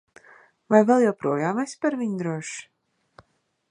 Vai vēl joprojām esi par viņu drošs?